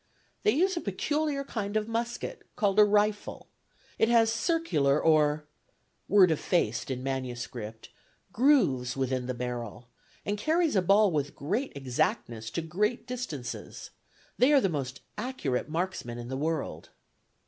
They use a peculiar kind of musket, called a rifle. It has circular or (word effaced in manuscript) grooves within the barrel, and carries a ball with great exactness to great distances. They are the most accurate marksmen in the world.